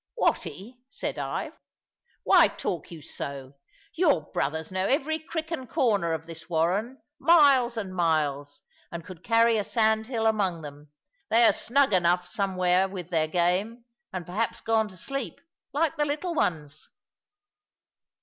"Watty," said I, "why talk you so? Your brothers know every crick and corner of this warren, miles and miles; and could carry a sandhill among them. They are snug enough somewhere with their game, and perhaps gone to sleep, like the little ones."